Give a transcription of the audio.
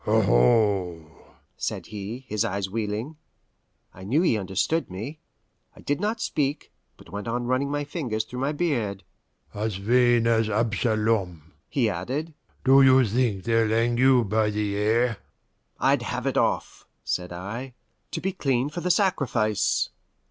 "Aho!" said he, his eyes wheeling. I knew he understood me. I did not speak, but went on running my fingers through my beard. "As vain as Absalom," he added. "Do you think they'll hang you by the hair?" "I'd have it off," said I, "to be clean for the sacrifice."